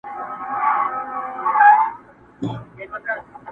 نن د اباسین د جاله وان حماسه ولیکه٫